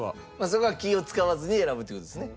そこは気を使わずに選ぶという事ですね？